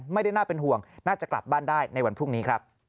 ไม่ได้น่าเป็นห่วงน่าจะกลับบ้านได้ในวันพรุ่งนี้ครับ